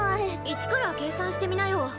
一から計算してみなよ。